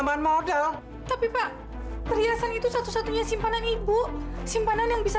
halo malam ini kamu kesini ya aku kangen berarti malam ini kita bisa